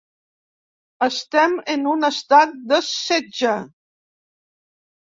Estem en un estat de setge!